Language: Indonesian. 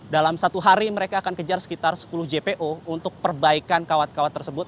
dalam satu hari mereka akan kejar sekitar sepuluh jpo untuk perbaikan kawat kawat tersebut